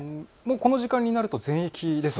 この時間になると全域ですね。